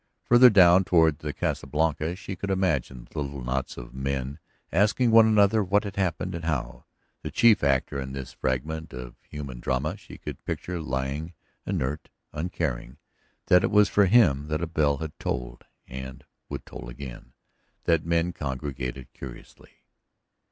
Farther down toward the Casa Blanca she could imagine the little knots of men asking one another what had happened and how; the chief actor in this fragment of human drama she could picture lying inert, uncaring that it was for him that a bell had tolled and would toll again, that men congregated curiously.